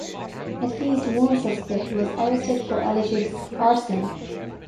At least one suspect was arrested for alleged arson.